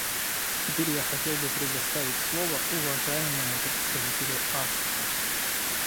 Теперь я хотел бы предоставить слово уважаемому представителю Австрии.